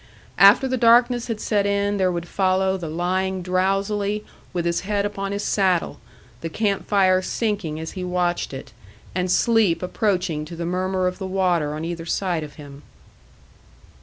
After the darkness had set in, there would follow the lying drowsily with his head upon his saddle, the camp fire sinking as he watched it, and sleep approaching to the murmur of the water on either side of him.